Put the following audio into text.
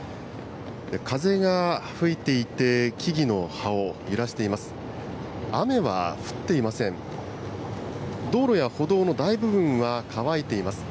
風が吹いていて、木々の葉を揺らしています。